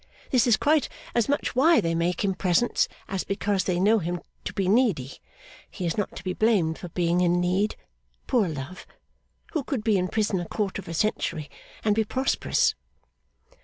This is quite as much why they make him presents, as because they know him to be needy. He is not to be blamed for being in need, poor love. Who could be in prison a quarter of a century, and be prosperous!